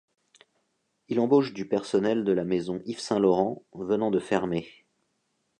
Il embauche du personnel de la maison Yves Saint Laurent venant de fermer.